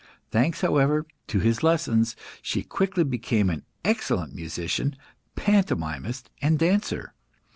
Thanks, however, to his lessons, she quickly became an excellent musician, pantomimist, and dancer.